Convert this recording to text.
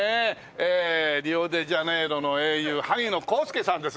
ええリオデジャネイロの英雄萩野公介さんです。